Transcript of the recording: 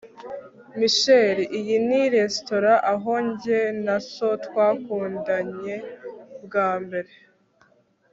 michael, iyi ni resitora aho jye na so twakundanye bwa mbere